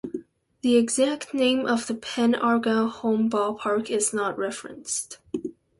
The exact name of the Pen Argyl home ballpark is not referenced.